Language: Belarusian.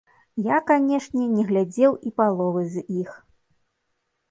Я, канешне, не глядзеў і паловы з іх.